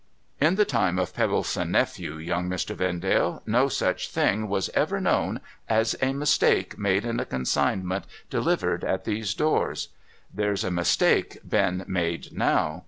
In the time of Pebbleson Nephew, Young Mr. Vendale, no such thing was ever known as a mistake made in a consignment delivered at these doors. There's a mistake been made now.